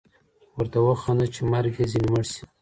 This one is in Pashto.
ورته وخانده چي مرګ يـې ځــيـني مړ سي